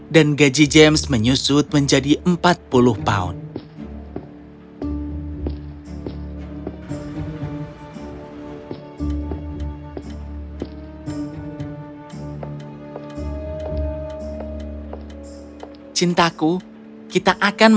dan gaji james menyusut menjadi empat puluh pound